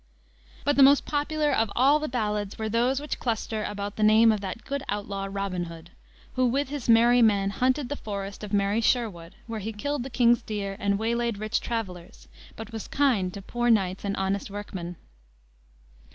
But the most popular of all the ballads were those which cluster about the name of that good outlaw, Robin Hood, who, with his merry men, hunted the forest of merry Sherwood, where he killed the king's deer and waylaid rich travelers, but was kind to poor knights and honest workmen.